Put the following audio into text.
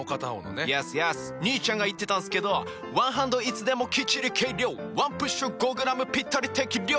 兄ちゃんが言ってたんすけど「ワンハンドいつでもきっちり計量」「ワンプッシュ５ｇぴったり適量！」